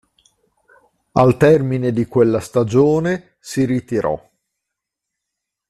Al termine di quella stagione, si ritirò.